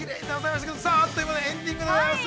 あっという間にエンディングでございます。